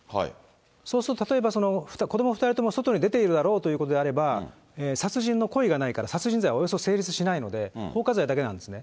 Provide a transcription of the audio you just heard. そうすると、例えば、子ども２人とも外に出ているだろうということであれば、殺人の故意がないから、殺人罪はおよそ成立しないので、放火罪だけなんですね。